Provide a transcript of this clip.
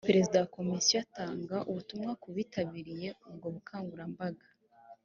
perezida wa komisiyo atanga ubutumwa ku bitabiriye ubwo bukangurambaga